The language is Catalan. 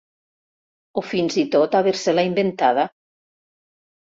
O fins i tot haver-se-la inventada.